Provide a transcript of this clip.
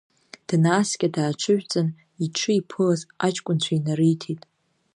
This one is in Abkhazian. Данааскьа дааҽыжәҵын, иҽы иԥылаз аҷкәынцәа инариҭеит…